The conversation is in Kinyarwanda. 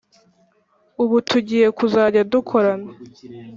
ubu tugiye kuzajya dukorana